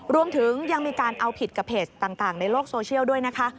รวมถึงยังมีการเอาผิดกับเพจต่างในโลกโซเชียลด้วยนะคะ